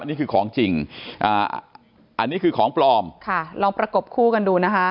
นี่คือของจริงอ่าอันนี้คือของปลอมค่ะลองประกบคู่กันดูนะคะ